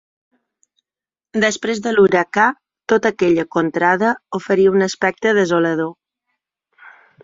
Després de l'huracà, tota aquella contrada oferia un aspecte desolador.